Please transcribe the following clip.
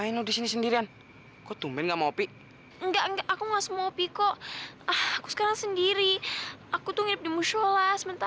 yaudah deh boleh boleh